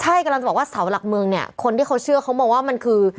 ใช่กำลังจะบอกว่าเสาหลักเมืองเนี่ยคนที่เขาเชื่อเขามองว่ามันคือ